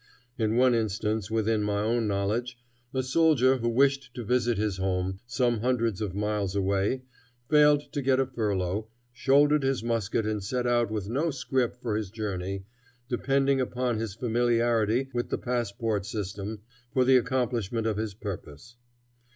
In one instance within my own knowledge, a soldier who wished to visit his home, some hundreds of miles away, failing to get a furlough, shouldered his musket and set out with no scrip for his journey, depending upon his familiarity with the passport system for the accomplishment of his purpose.